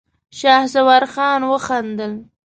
شهسوار خان وخندل.